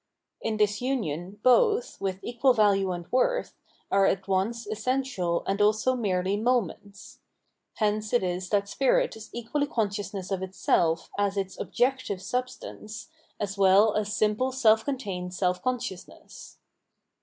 In this umon both, with equal value and worth, are at once essential and also merely moments. Hence it is that spirit is equally consciousness of itself as its objective substance, as well as simple seK contained self consciousness.